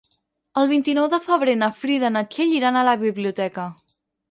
El vint-i-nou de febrer na Frida i na Txell iran a la biblioteca.